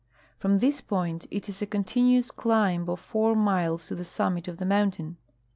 From this point it is a continuous climb of four miles to the summit of the mountain.